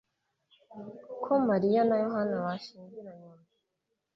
ko Mariya na Yohana bashyingiranywe